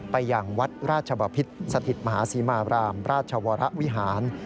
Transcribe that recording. อย่างวัดราชบพิษสถิตมหาศรีมารามราชวรวิหาร